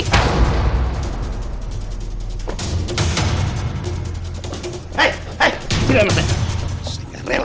hei hei silahkan saya